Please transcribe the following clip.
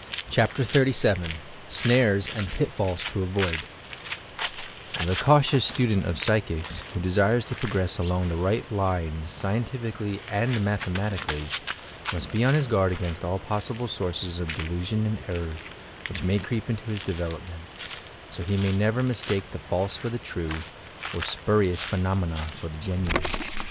CHAPTER XXXVII SNARES AND PITFALLS TO AVOID The cautious student of psychics, who desires to prog ress along the right lines scientificallj' and mathema tically, must be on hia guard against all possible sources of delusion and error, which may creep into his de velopment, so that he may never mistake the false for the true, or spurious phenomena for the genuine.